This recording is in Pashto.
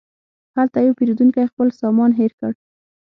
هلته یو پیرودونکی خپل سامان هېر کړ.